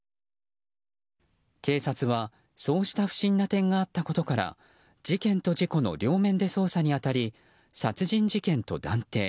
警察は、そうした不審な点があったことから事件と事故の両面で捜査に当たり殺人事件と断定。